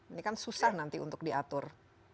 ini kan susah nanti untuk diatur